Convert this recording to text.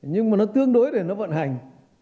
nhưng mà nó tương đối để nó vận hành